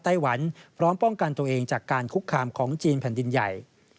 ไต้หวันพร้อมป้องกันตัวเองจากการคุกคามของจีนแผ่นดินใหญ่